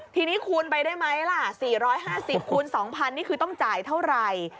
ทีนี้คูณไปได้ไหมล่ะ๔๕๐คูณ๒๐๐นี่คือต้องจ่ายเท่าไหร่